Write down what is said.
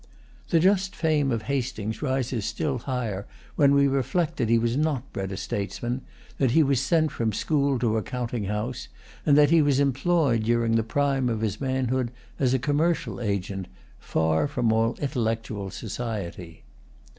The just fame of Hastings rises still higher when we reflect that he was not bred a statesman; that he was sent from school to a counting house; and that he was employed during the prime of his manhood as a commercial agent, far from all intellectual society.